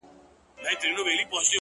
• پاچهي لکه حباب نه وېشل کیږي,